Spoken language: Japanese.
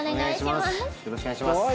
よろしくお願いします。